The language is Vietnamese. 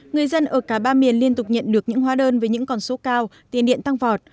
người dân ở cả ba miền liên tục nhận được những hóa đơn với những con số cao tiền điện tăng vọt